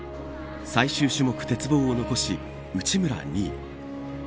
最終種目、鉄棒を残し内村２位。